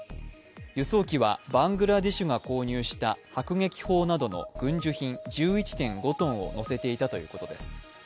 輸送機はバングラデシュが購入した迫撃砲などの軍需品１１．５トンを乗せていたということです。